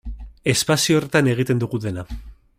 Espazio horretan egiten dugu dena.